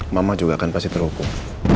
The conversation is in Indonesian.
mama juga akan pasti terhukum